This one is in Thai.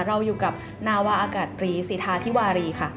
เราอยู่กับนาวาอากาศตรีสิทธาธิวารีค่ะ